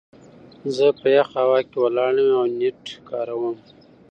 زه په يخه هوا کې ولاړ يم او نيټ کاروم.